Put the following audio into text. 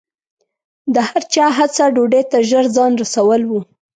د هر چا هڅه ډوډۍ ته ژر ځان رسول و.